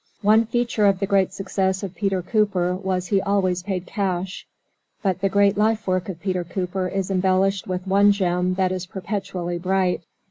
One feature of the great success of Peter Cooper was he always paid cash. But the great life work of Peter Cooper is embellished with one gem that is perpetually bright.